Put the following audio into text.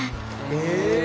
へえ。